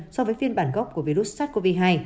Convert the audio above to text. so với phiên bản gốc của virus sars cov hai